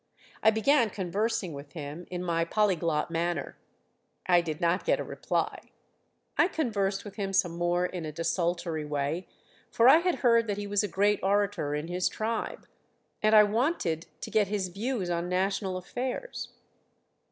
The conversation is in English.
I began conversing with him in my polyglot manner. I did not get a reply. I conversed with him some more in a desultory way, for I had heard that he was a great orator in his tribe, and I wanted to get his views on national affairs.